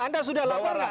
anda sudah lapor nggak